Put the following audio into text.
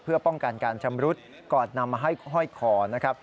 เพื่อป้องกันการชำรุดก่อนนำมาให้ห้อยคอนะครับ